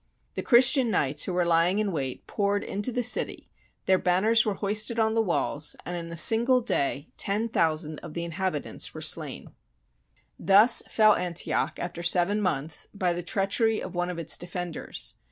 The Christian knights who were lying in wait poured into the city, their banners were hoisted on the walls, and in a single day ten thousand of the inhabitants were slain. THE BOOK OF FAMOUS SIEGES Thus fell Antioch, after seven months, by the treachery of one of its defenders.